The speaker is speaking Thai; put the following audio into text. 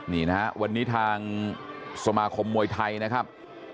นี่นะฮะวันนี้ทางสมาคมมวยไทยนะครับ